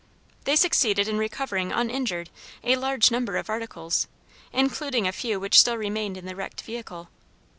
They succeeded in recovering uninjured a large number of articles, including a few which still remained in the wrecked vehicle.